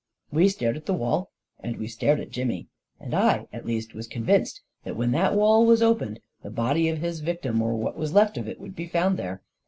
We stared at the wall and we stared at Jimmy, and I, at least, was convinced that when that wall was opened, the body of his victim — or what was left of it — would be found there.